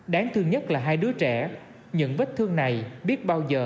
đáng thương nhất là hai đứa trẻ những vết thương này biết bao giờ mới lành lại